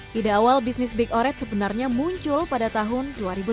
pida awal bisnis big oret sebenarnya muncul pada tahun dua ribu sepuluh